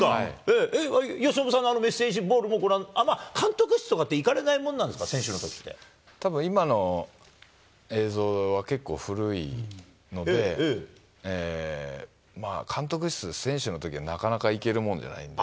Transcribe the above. えっ、由伸さん、あのメッセージボールもご覧に、監督室とかって行かれないものなたぶん、今の映像は結構古いので、まあ、監督室、選手のときはなかなか行けるもんじゃないので。